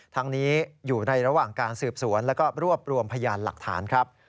ทั้งนี้อยู่ในระหว่างการสืบสวนแล้วก็รวบรวมพยานหลักฐานครับ